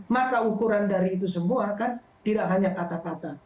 maka ukuran dari itu semua kan tidak hanya kata kata